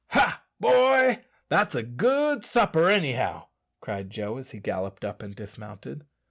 "Ha, boy! that's a good supper, anyhow," cried Joe, as he galloped up and dismounted.